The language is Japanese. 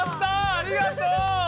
ありがとう！